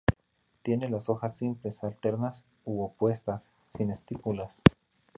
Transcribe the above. Tiene las hojas simples, alternas u opuestas, sin estípulas.